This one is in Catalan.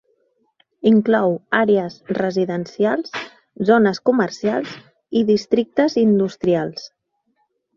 Inclou àrees residencials, zones comercials i districtes industrials.